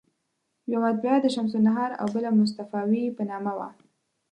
یوه مطبعه د شمس النهار او بله مصطفاوي په نامه وه.